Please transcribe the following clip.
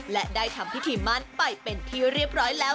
และได้ทำพิธีมั่นไปเป็นที่เรียบร้อยแล้ว